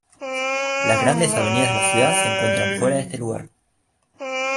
Las grandes avenidas de la ciudad se encuentran fuera de este lugar.